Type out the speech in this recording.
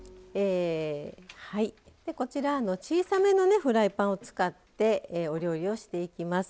こちら小さめのフライパンを使ってお料理をしていきます。